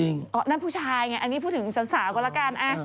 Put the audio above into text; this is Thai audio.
นั่นผู้ชายไงอันนี้พูดถึงสาวก็แล้วกัน